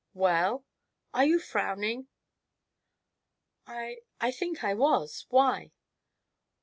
"Well?" "Are you frowning?" "I I think I was why?"